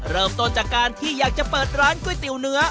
เริ่มต้นจากการที่อยากจะเปิดร้านก๋วยเตี๋ยวเนื้อ